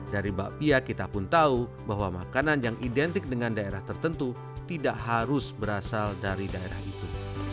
dari bakpia kita pun tahu bahwa makanan yang identik dengan daerah tertentu tidak harus berasal dari daerah itu